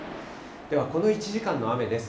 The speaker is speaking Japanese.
では、この１時間の雨です。